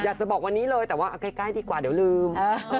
อยากจะบอกวันนี้เลยแต่ว่าเอาใกล้ดีกว่าเดี๋ยวลืม